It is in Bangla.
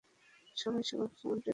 সবাই সবার ফোন টেবিলে রাখুন।